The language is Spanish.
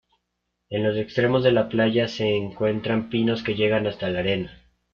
En los extremos de la playa se encuentran pinos que llegan hasta la arena.